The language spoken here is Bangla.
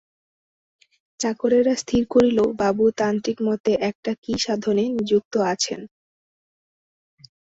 চাকরেরা স্থির করিল, বাবু তান্ত্রিকমতে একটা কী সাধনে নিযুক্ত আছেন।